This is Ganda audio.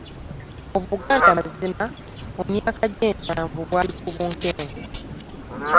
Obuganda mazima mu mayaka gy'ensanvu bwali ku bunkenke.